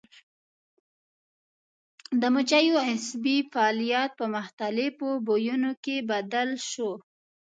د مچیو عصبي فعالیت په مختلفو بویونو کې بدل شو.